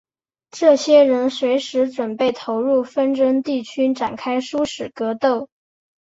这些人随时准备投入纷争地区展开殊死格斗。